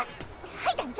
はい団長。